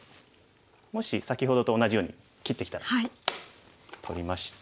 もし先ほどと同じように切ってきたら取りまして。